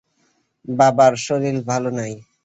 বাবার শরীর ভালো নাই।